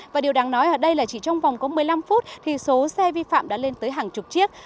và điều đáng nói ở đây là chỉ trong vòng có một mươi năm phút thì số xe vi phạm đã lên tới hàng chục chiếc